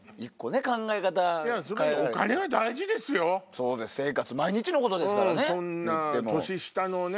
そうです生活毎日のことですからね。